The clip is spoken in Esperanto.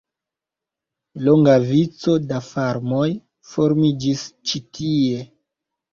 Longa vico da farmoj formiĝis ĉi tie.